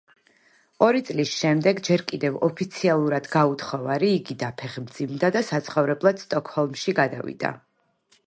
ორი წლის შემდეგ ჯერ კიდევ ოფიციალურად გაუთხოვარი, იგი დაფეხმძიმდა და საცხოვრებლად სტოკჰოლმში გადავიდა.